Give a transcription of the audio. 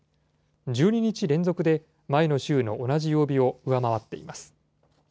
１２日連続で前の週の同じ曜日を上回っています。